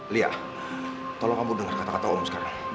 liya tolong kamu dengar kata kata ibu sekarang